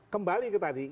kembali ke tadi